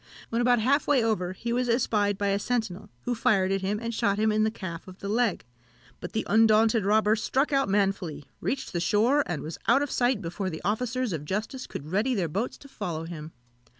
When about half way over, he was espied by a sentinel, who fired at him, and shot him in the calf of the leg: but the undaunted robber struck out manfully, reached the shore, and was out of sight before the officers of justice could get ready their boats to follow him.